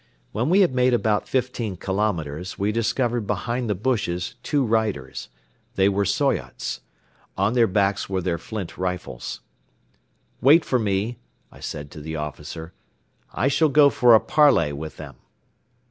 When we had made about fifteen kilometers, we discovered behind the bushes two riders. They were Soyots. On their backs were their flint rifles. "Wait for me!" I said to the officer. "I shall go for a parley with them."